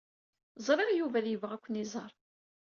Ẓriɣ Yuba ad yebɣu ad ken-iẓer.